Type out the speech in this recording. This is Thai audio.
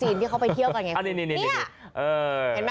อ๋อหรออาชีพไล่นกก่อนนะ